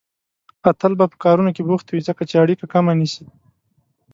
اتل به په کارونو کې بوخت وي، ځکه چې اړيکه کمه نيسي.